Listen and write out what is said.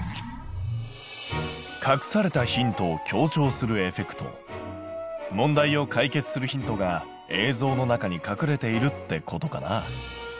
隠されたヒントを強調するエフェクト問題を解決するヒントが映像の中に隠れているってことかな。